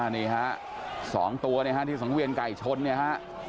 นี่ฮะสองตัวเนี่ยฮะที่สองเวียนไก่ชนเนี่ยฮะ